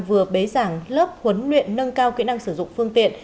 vừa bế giảng lớp huấn luyện nâng cao kỹ năng sử dụng phương tiện